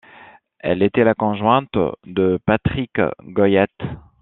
Elle était la conjointe de Patrick Goyette.